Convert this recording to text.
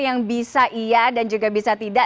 yang bisa iya dan juga bisa tidak